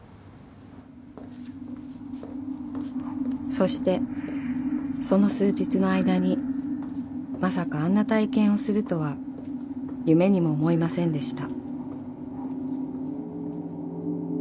［そしてその数日の間にまさかあんな体験をするとは夢にも思いませんでした］